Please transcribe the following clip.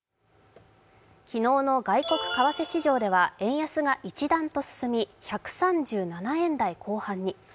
昨日の外国為替市場では円安が一段と進み、１３７円台後半に。